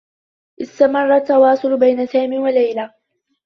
استمرّ التّواصل بين سامي و ليلى.